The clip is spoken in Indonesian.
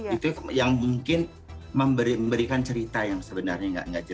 itu yang mungkin memberikan cerita yang sebenarnya enggak jelas gitu